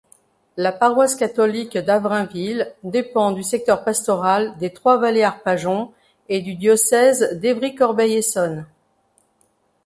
La paroisse catholique d'Avrainville dépend du secteur pastoral des Trois-Vallées-Arpajon et du diocèse d'Évry-Corbeil-Essonnes.